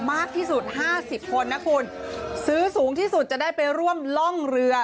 มากที่สุดห้าสิบคนนะคุณซื้อสูงที่สุดจะได้ไปร่วมล่องเรือ